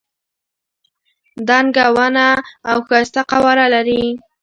دنګه ونه او ښایسته قواره لري.